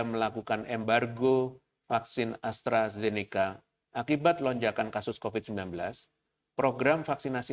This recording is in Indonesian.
melakukan embargo vaksin astrazeneca akibat lonjakan kasus covid sembilan belas program vaksinasi